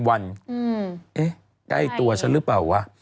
ใกล้ตัวฉันหรือเปล่าวะ